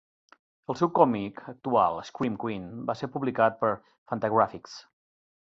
El seu còmic actual "Scream Queen" va ser publicat per Fantagraphics.